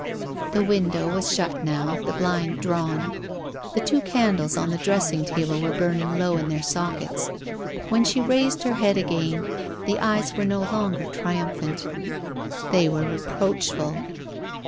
The window was shut now, the blind drawn. The two can dles on the dressing table were burning low in their sockets. When she raised her head again, the eyes were no longer triumphant, they were reproachful.